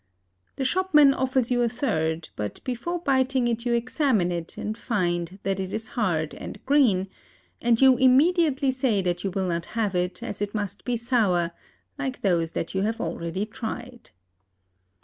The shopman offers you a third; but, before biting it, you examine it, and find that it is hard and green, and you immediately say that you will not have it, as it must be sour, like those that you have already tried.